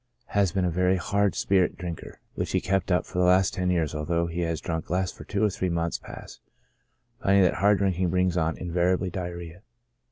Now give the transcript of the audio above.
Has been a very hard spirit drinker, which he kept up for the last ten years, although he has drunk less for two or three months past, finding that hard drinking brings on invariably diarrhoea.